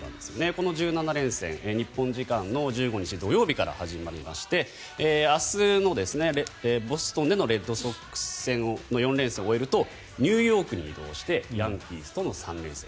この１７連戦日本時間の１５日土曜日から始まりまして明日のボストンでのレッドソックス戦の４連戦を終えるとニューヨークに移動してヤンキースとの３連戦。